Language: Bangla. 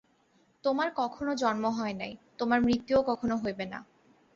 তোমার কখনও জন্ম হয় নাই, তোমার মৃত্যুও কখনও হইবে না।